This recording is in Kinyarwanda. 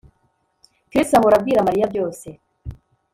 Chris ahora abwira Mariya byose